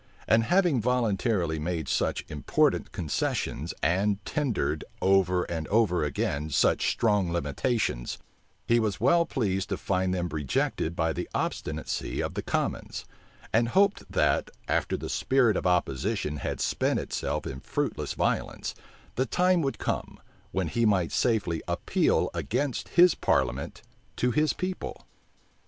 And having voluntarily made such important concessions, and tendered, over and over again, such strong limitations, he was well pleased to find them rejected by the obstinacy of the commons; and hoped that, after the spirit of opposition had spent itself in fruitless violence, the time would come, when he might safely appeal against his parliament to his people.